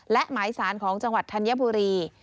และหมายสารของจังหวัดธัญบุรี